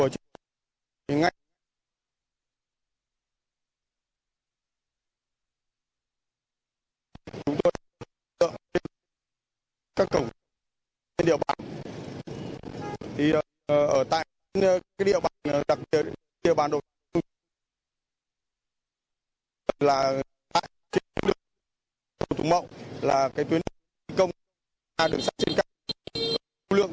chú tên trần văn trân